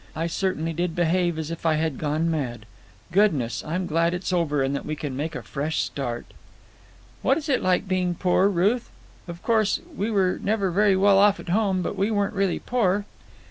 I certainly did behave as if I had gone mad. Goodness! I'm glad it's over and that we can make a fresh start." "What is it like being poor, Ruth? Of course, we were never very well off at home, but we weren't really poor."